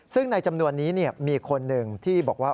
ซึ่งในจำนวนนี้มีคนหนึ่งที่บอกว่า